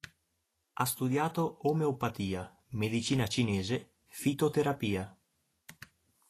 Ha studiato omeopatia, medicina cinese, fitoterapia.